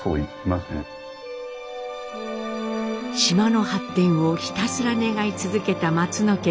島の発展をひたすら願い続けた松野